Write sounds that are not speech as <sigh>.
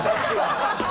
ハハハ <laughs>